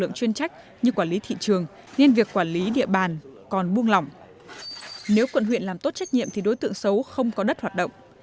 nếu quận huyện làm tốt trách nhiệm thì đối tượng xấu không có đất hoạt động